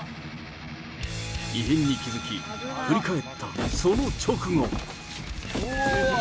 異変に気付き、振り返ったその直後。